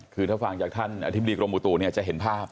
คือถ้าฟังจากท่านอธิบดีกรมอุตุเนี่ยจะเห็นภาพ